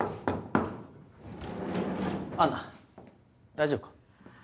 アンナ大丈夫か？